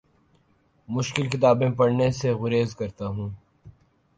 مشکل کتابیں پڑھنے سے گریز کرتا ہوں